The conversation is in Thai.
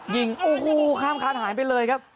ยิงโอ้โหข้ามคานหายไปเลยครับ